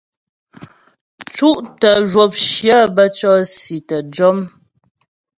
Cútə zhwəpshyə bə́ cɔ̀si tə́ jɔm.